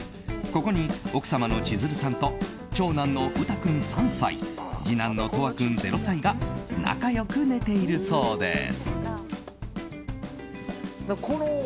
ここに奥様の千鶴さんと長男の羽汰君、３歳次男の杜羽君、０歳が仲良く寝ているそうです。